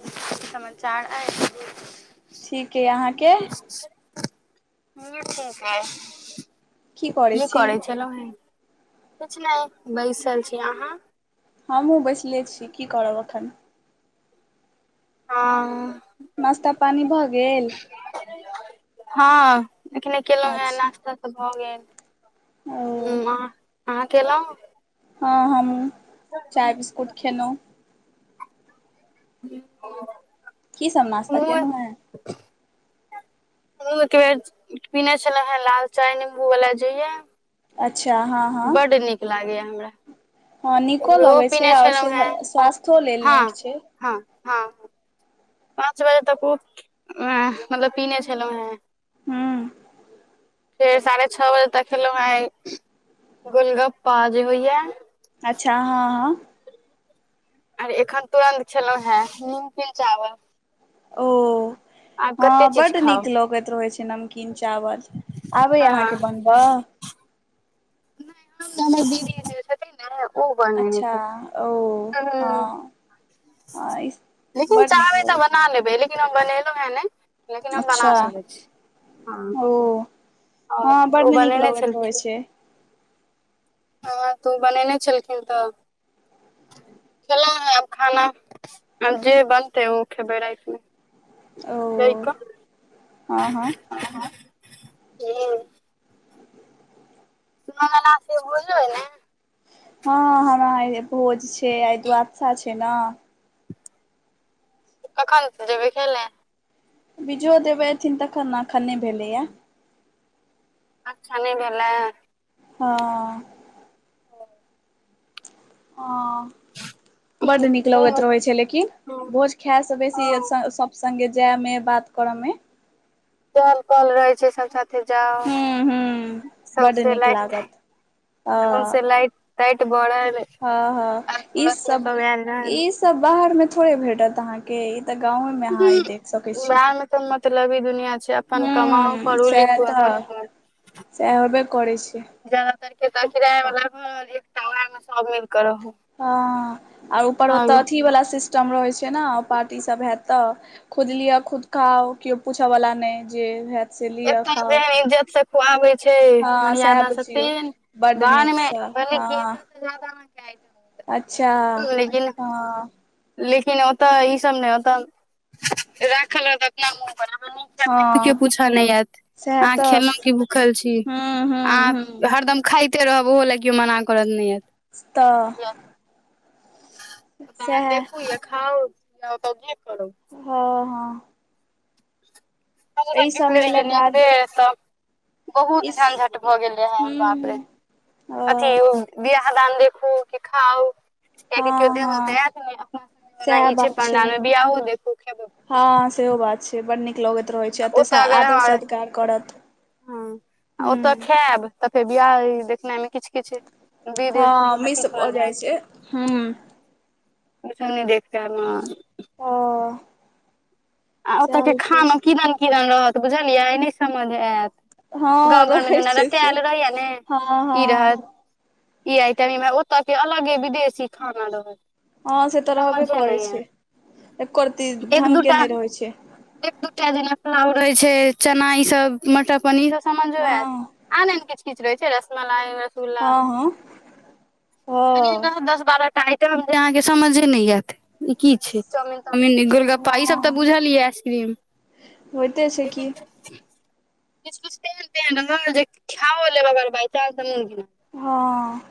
कि समचार अइछ? ठीक अइ अहाँके [unintelligible] [unintelligible] की करै छलहु हेँ? किछ नइ बैसल छी अहाँ? हमहुँ बैसले छी की करब एखन? आँ- नास्ता पानी भऽ गेल? [unintelligible] हँ- एखने केलहुँहे अच्छा नास्ता तऽ भऽ गेल। ओ हूँ अहाँ -अहाँ केलहुं? हां हमहूँ चाय -बिस्कुट खेनहुँ। [unintelligible] की सभ नास्ता हमहूँ केनुहें? हमहूँ एक बेेर पीने छलहुहें लाल चाय नींबू वला जे होइया अच्छा हँ। हँ बड्ड नीक लागैए हमरा। हँ एक नीको बेर ओ लगै पीने छैऔर छलहुँ हेँ सेह- स्वास्थो लेल नीक हँ छै। हँ हँ पाँच बजे तक ओ एं मतलब पिने छलहुंहें। हूँ। फेर साढ़े छ बजे तक, खेलौ हें आय गोलगप्पा जे होइया। अच्छा हँ - हँ। अरे एखन तुरंत खेलौं हें नीमकीन चावल। ओ। आब हँ कते चीज बड खाउ नीक लगैत रहैत छै, नमकीन चावल आबे हँ अहाँके बन बल। नहि ने हमरा दीदी जे छथिन ने उ बनने अच्छा ओ छथिन। हँ हँ लेकिन बड्ड नीक चाहबै तऽ लगैत छै बना लेबै, लेकिन हम बनेलहु है ने। लेकिन हम बना अच्छा सकै छी हं। ओ और हँ बड्ड उ नीक बनेने लगैत रहै छलखिन। छै। हँ तऽ बनेने छलखिन तऽ। खेलौ है हम खाना, आब जे बनते ओ खेबै रातिमें। ओ बक हँ हँ ह [unintelligible] सुनेना सेहो एलाइन। हँ हमरा भोज छै, आय द्वादशा छै ने। कखन जेबै खैले। बिजोह देबऽ एथिन तखन ने अखन नै भेलै हे। अच्छा नहि भेलै। हँ। हॅं। बड्ड नीक लगैत दिनमे रहैत छै लेकिन, भोज खायसँ बेसी हँ सब सङ्गे जाइमे बात करऽमें। दऽल -कऽल रहे छै सब ठाम। जाउ हूँ हूँ बड्ड सोंसे नीक लाइटस - लागत ताइट हँ सोंसे लाइट ताइट बड़े। हँ - हँ ई सब रहल ई सब बाहर में थोड़े भेटत अहाँके ई तऽ गाँवेमें अहाँ ई देख सकैत छी। बिहार मे मतलबी दुनिया छै, अपन कमाउ हूँ पढ़ू सएह लिखू अपन तऽ घर सएह होबे करै छै जदातर किराया वला घर एकटा वैह में सब के रहू हँ, आर ऊपर ओतऽ आगू अथि वला सिस्टम रहैत छै न, पार्टीसभ हत तऽ खुद लिअ खुद खाउ केओ पूछए वाला नहि जे हैत से लिअ एतय जे खाउ इज्जत से खुआबै छै, हँ सएह मर्यादा से बुझियौ तेहेन बड्ड बाहर में नीकसँ भैर पेट हँ से जायदा कहां खाय। अच्छा हँ। लेकिन ओतऽ ई सब ने, ओतऽ राखल रहत अपना मोन के हँ पूछा नहि आयत। सएह अहाँ तऽ खेललहुं की भूखल छी, हूँ हूँ आंह हूँ हरदम खाय तहो लय केओ मना करत नहि आयत। स्तऽ तऽ अहाँ सएह देखू या खाउ या ओत जे करू। हँ- हँ। एहि सबमे लए गाली [unintelligible] बहुत इस झंझट भऽ गेल रहै बाप रे हूँ अथी ओ बियाह दान देखू कि खाउ कियेकि केओ हँ देब त हँ एत नै अपना सबके जेना सएह ई छै बात पण्डाल मे बिआहो देखू खेबो हँ सेहो बात छै बड नीक लगैत रहै छै आ अते सा ओतऽ अगर आदर अहाँ सत्कार करत, हँ हूं। ओतऽ खायब तऽ फेर बियाह इ देखनाइ में किछ किछ हँ मिश भ जाइ छै, हूं। किछो नै देख पैब हं। ओ आ ओत सएह के होइत अछि खानो किदन किदन रहत बुझलियै नहि समझ आयत। हँ गाँव घरमे रहै जेना छै से रटैल रहैयै नै हँ ई रहत हँ इ अइ त नै ओत के अलगे विदेशी खाना रहत। हँ से तऽ रहबे समझे करै नहि छै आयत एको रती एक ढंग के दूटा नहि रहै छै। एक दू टा जेना पुलाव रहै छै चना ई सब मटर पनीर ई सब समझो हँ आयत आन आन किछ किछ रह छै रसमलाइ रस गुल्ला हँ हँ एनाहि हँ रहत दस बारहटा आय टम जे अहाँके समझे नै आयत ई की छै, चाउमिन ताउमिन, इ गोलगप्पा ई सब तऽ हँ बुझल ये एम, होइते छै लेकिन की किछ किछ तेहन तेहन रहल जे खाओ लेब अगर बाय चांस तऽ मोन घिना जायत हँ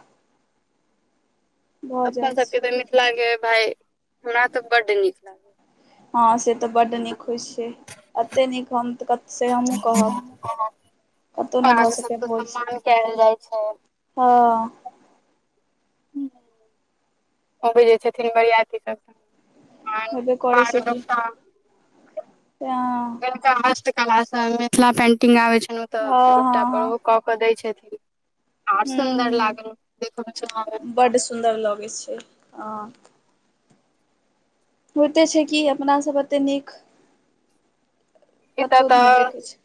भऽ अपना जाइ छै सबके तऽ मिथिलाके भााय हमरा तऽ बड नीक लागै हँ से तऽ बड नीक होइ छै, अत्ते नीक हम त कत से हमहूँ कहब कतहु नहि भऽ सकैयै भोज। कैल जाइ छै। हॅं। हूं अबैए जै छथिन बरियाती सब पान हेबे करै छै पाग कि। दोपटा [unintelligible] [unintelligible] हस्तकला से मिथिला पेंटिंग आबे छलौं त हँ दोपटा पर हँ ओ कऽ कऽ दै छथिन आर हँ सुन्दर हूँ लागल हूँ देख में बड्ड सुन्दर लगै छै, हं। होइते छै कि अपनासभ अते नीक एतऽ कतौ नहि देखै छै।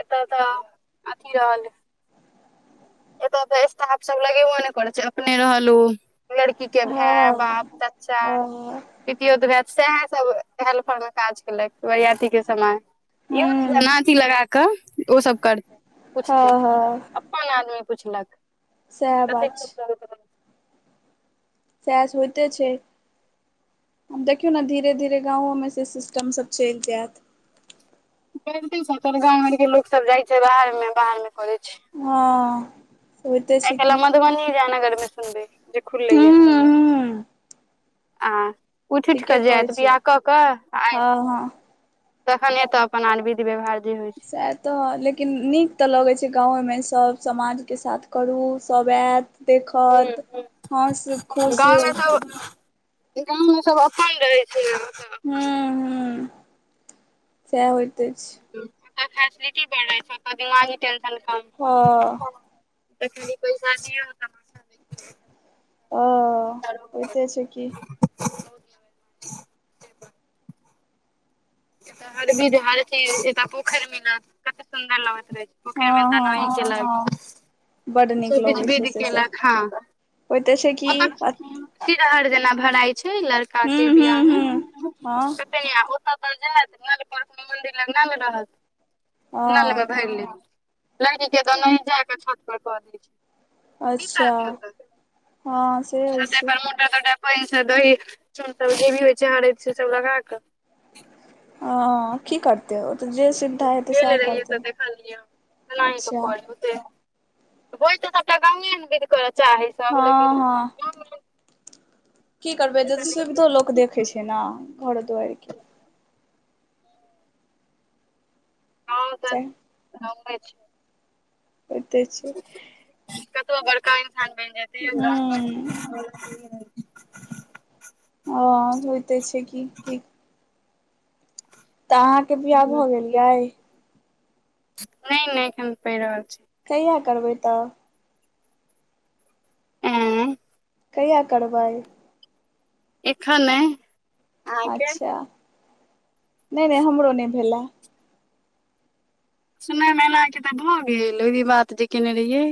एत तऽ अथी रहल एत त स्टाफ सब लगेबो ने करे छै अपने रहल ऊ लड़की के हँ भाय, बाप, हँ चच्चा हूँ पीतोयौत भै सएह सब हेल्पर मे काज केलक बरियाती के समय। इहो ने हँ जेना अथी लगा क ओ सब करतै पूछतै हँ अपन आदमी पुछलक। सैह कतेक बात छै। सैह स होइते छै। आब देखियौ ने धीरे धीरे गाँवो मे से सिस्टम सब चलि जायत। करिते छै [unintelligible] गाँंव घर के लोक सब जाय छै बाहर मे बाहर मे करे छै। हँ होइते आइ छै काल्हि की। मधुबनी जयनगर मे संदे जे हूं खुलैया हूं आऽ, उठि उठि क ठीके कहै जायत छियै बिआाह कऽक आ आबि जायत। हँ हँ तखने त अपन आन विधी व्यवहार जे होइ। छै सेएह तऽ लेकिन नीक त लगै छै गाँवेमे सभ समाजके साथ करू सभ एयत। देखऽत हूँ हस खुश गाँम मे सब अपन रहै छै न। हूँ हूँ सेएह होइते अछि। ओतऽ फैसिलिटी बेरहै छै ऐतऽ दिमागी टेंशन हँ कम। एतनी पैइसा दिय त पैसा। ओ एतऽ होइते छै कि। एतअ हर बीध हर चीज एतअ पोखरि मिलत कते सुन्दर लगत रहै छै। पोखेर हँ में दनहि हँ केलक ह, ह। बड नीक सब किछ लगै बीध छै से सब केलक ह होइते छै [inaudible] की हूं सिरहर जेना भराय छै लड़का के हूं बियाह मे हूं हँ सुतैया ओत हँ [unintelligible] [unintelligible] कि अच्छा करतै हँ से त [unintelligible] होइ छै [unintelligible] दहि सब जे भी होइ छै हरद से सब लगाक। ह की करतै ओत जे सुविधा हेतै सएह गेल रहियै करतै तऽ देखलियै एनाही कऽ अच्छा। करै होइ त सबटा गौवे मे बीध करऽ चाहै। सब हँ लेकिन हँ। की करबै जे सुविधो गाँव लोक देखैछै नऽ घर दुआरि के। तऽ सैह। [unintelligible] होइते छै। कतबै बड़का इन्सान बनि जेतै [inaudible] हूँ हँ होइते छै कि। त अहाँके बियाह भ गेल यै? नै नै एखन पढ़ि रहल छी। कहिया करबै तब? एँ कहिया करबै? एखन नै। अहाँके अच्छा नै नै हमरो नहि भेलए। सुन में ऐल अहाँ के त भऽ गेल ओही बात जे केने रहियै।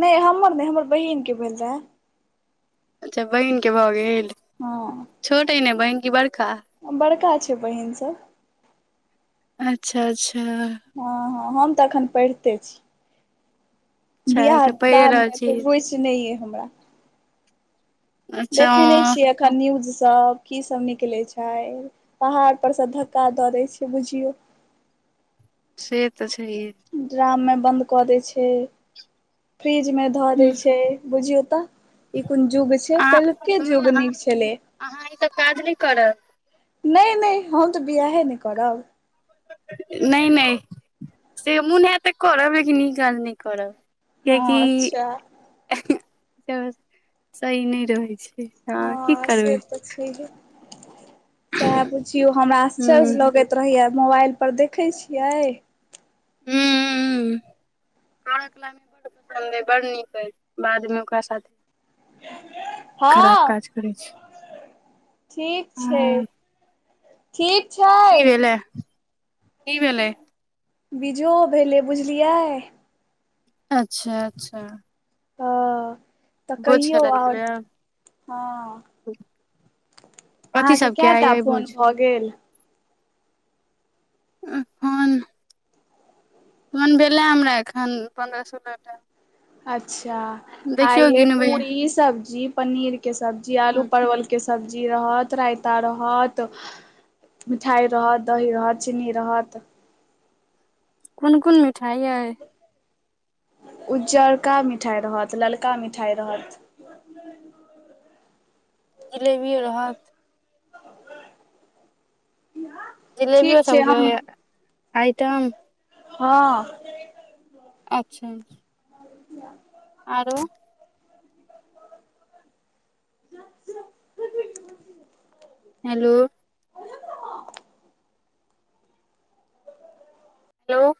नै हमर नहि हमर बहिन के भेल रहे। अच्छा बहिनके भऽ गेल हँ छोट अइ ने बहिन कि बड़का? बड़का छै बहिन सब। अच्छा अच्छा। हँ हँ हम त एखन पैढ़ते छी। अच्छा बिआाह के पढ़ि रहल दानमे छी एते रुचि नै अइ हमरा। अच्छा देखय नहि हँ छियै एखन न्यूजसब कि सब निकलै छै। पहाड़ पर स धक्का दऽ देय छै बुझियो। से तऽ छैहे। ड्राम में बंद क देय छै फ्रिज में धऽ हूँ देय छै बुझियौ तऽ, ई कोन युग छै, अहाँ पहिलके सुनू ने युग अहाँ नीक छले। अहाँ ई सब काज नहि करब। नहि- नहि हम तऽ बियाहे नहि करब। नहि- नहि से मुन हैत करब, लेकिन ई काज नहि करब। हँ कियकि अच्छा एहे सही नहि रहै छै। हँ, की करबै? छैहे। सएह बुझियौ, हमरा हूँ आश्चर्य लगैत रहैया, मोबाइल पर देखैत छियै। [unintelligible] पढ कला मे अहाँ के लागत बड पसन्द अय, बड नीक अय, बाद मे ओकरा साथे खराब हँ काज करै छय। ठीक छै, ठीक छै। कि भेलय, कि भेलय? बीजो भेलै बुझलियै। अच्छा! अच्छा। हँ तऽ भौज कहियौ खेलै आओर जेबैय आब? हँ कथी अहाँके सभके कए टा आइए भोझ? फोन भऽ गेल एखन। फोन भेलै हमरा एखन, पन्द्रह सोलह टा अच्छा! देखियौ आइे गिनबै पूरी सब्जी पनीरके सब्जी, आलू हूँ परवलके सब्जी रहत, रायता रहत। मिठाई रहत, दही रहत, चीनी रहत। कोन -कोन मिठाइ अई? उज्जरका मिठाई रहत, ललका मिठाई रहत। [unintelligible] जिलेबि रहत। जिलेबियो ठीक छै सबके हम आइटम? हँ। अच्छा! अच्छा। [unintelligible] आरो। [unintelligible] हेलो। हेलो।